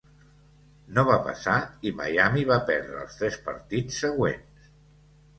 No va passar, i Miami va perdre els tres partits següents.